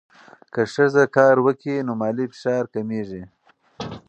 که ښځه کار وکړي، نو مالي فشار کمېږي.